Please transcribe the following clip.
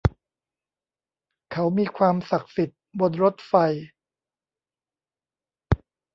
เขามีความศักดิ์สิทธิ์บนรถไฟ